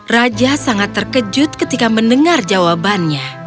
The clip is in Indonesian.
raja sangat terkejut ketika mendengar jawabannya